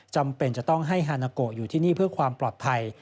จำเป็นจะต้องให้ฮานาโกอยู่ที่นี่เพื่อความปลอดภัย